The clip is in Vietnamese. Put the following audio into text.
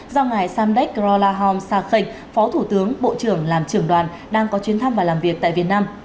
do ngài samdek krolahom sakh phó thủ tướng bộ trưởng làm trưởng đoàn đang có chuyến thăm và làm việc tại việt nam